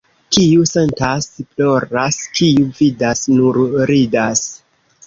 Kiu sentas — ploras, kiu vidas — nur ridas.